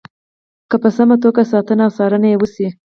که په سمه توګه ساتنه او څارنه یې وشي.